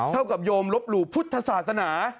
เท่ากับโยมลบหลู่พุทธศาสนา